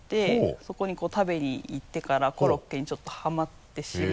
そこに食べに行ってからコロッケにハマってしまい。